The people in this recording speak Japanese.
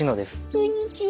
こんにちは。